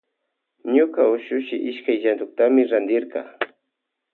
Ñuka ushuhi iskay llantuktami rantirka.